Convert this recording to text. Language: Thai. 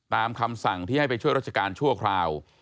คำสั่งที่ให้ไปช่วยราชการชั่วคราว